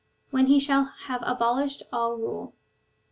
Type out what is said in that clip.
27 When he shall have abolished all rule.